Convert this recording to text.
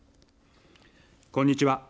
こんにちは。